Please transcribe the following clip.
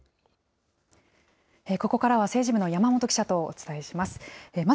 ここからは政治部の山本記者とお伝えします。